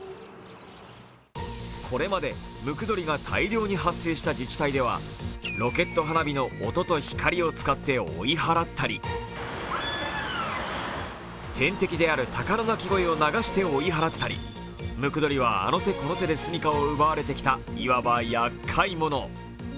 これまでムクドリが大量に発生した自治体ではロケット花火の音と光を使って追い払ったり天敵であるタカの鳴き声を流して追い払ったり、ムクドリはあの手この手で住みかを奪われてきた、いわばやっかい者。